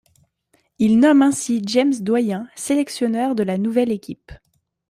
Il nomme ainsi James Doyen sélectionneur de la nouvelle équipe.